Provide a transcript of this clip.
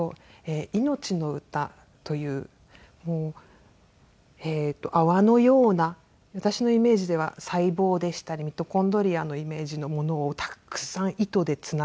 『いのちのうた』という泡のような私のイメージでは細胞でしたりミトコンドリアのイメージのものをたくさん糸でつなげて。